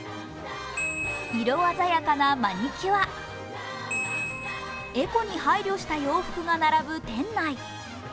色鮮やかなマニキュア、エコに配慮した洋服が並ぶ店内。